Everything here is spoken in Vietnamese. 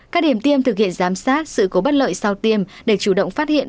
các điểm tiêm thực hiện giám sát sự cố bất lợi sau tiêm để chủ động phát hiện